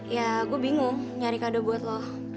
ya aku bingung nyari kado buat lo